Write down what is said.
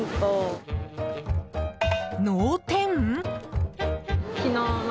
脳天？